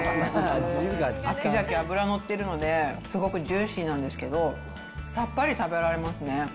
秋サケ、脂乗ってるので、すごくジューシーなんですけど、さっぱり食べられますね。